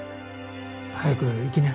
早く行きな。